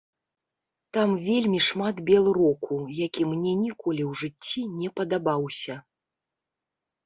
Там вельмі шмат белроку, які мне ніколі ў жыцці не падабаўся.